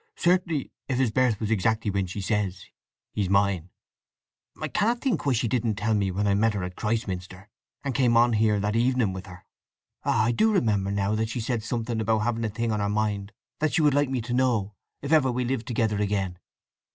Certainly, if his birth was exactly when she says, he's mine. I cannot think why she didn't tell me when I met her at Christminster, and came on here that evening with her! … Ah—I do remember now that she said something about having a thing on her mind that she would like me to know, if ever we lived together again."